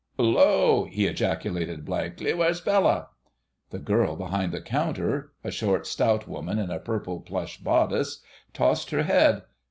"'Ullo!...." he ejaculated blankly. "W'ere's Bella?" The girl behind the counter, a short, stout woman in a purple plush bodice, tossed her head.